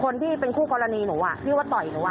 คนที่เป็นคู่กรณีหนูที่ว่าต่อยหนู